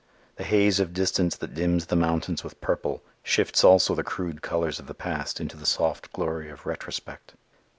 The haze of distance that dims the mountains with purple, shifts also the crude colors of the past into the soft glory of retrospect.